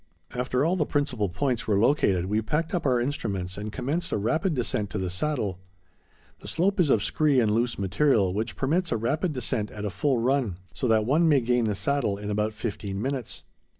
After all the principal points were located we packed up our instruments and commenced a rapid descent to the Saddle. The slope is of scree and loose material, which permits a rapid descent at a full run, so that one may gain the Saddle in about fifteen minutes.